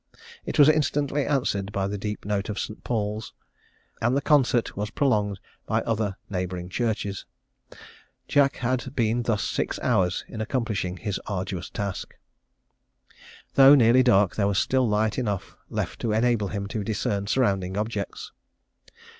It was instantly answered by the deep note of St. Paul's; and the concert was prolonged by other neighbouring churches. Jack had been thus six hours in accomplishing his arduous task. "Though nearly dark, there was still light enough left to enable him to discern surrounding objects.